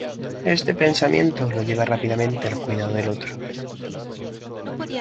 Este pensamiento lo lleva rápidamente al cuidado del otro.